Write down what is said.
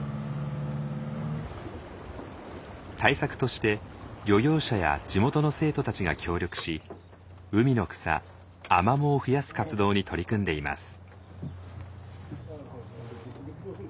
対策として漁業者や地元の生徒たちが協力し海の草アマモを増やす活動に取り組んでいます。